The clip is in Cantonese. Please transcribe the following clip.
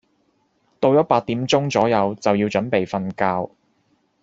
到左八點鐘左右就要準備瞓覺